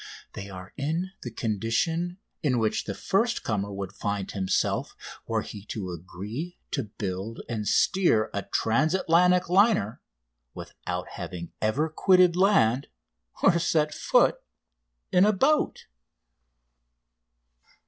They are in the condition in which the first comer would find himself were he to agree to build and steer a transatlantic liner without having ever quitted land or set foot in a boat!